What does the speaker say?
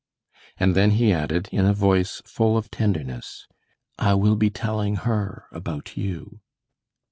And then he added, in a voice full of tenderness, "I will be telling her about you."